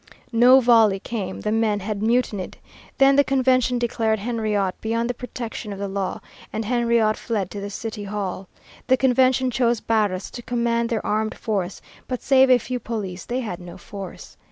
No volley came the men had mutinied. Then the Convention declared Henriot beyond the protection of the law, and Henriot fled to the City Hall. The Convention chose Barras to command their armed force, but save a few police they had no force.